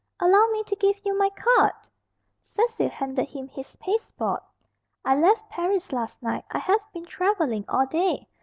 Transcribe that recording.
"Allow me to give you my card." Cecil handed him his "pasteboard." "I left Paris last night. I have been travelling all day.